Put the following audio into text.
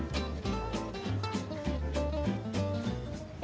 lalu kita akan mencoba lele goreng crispy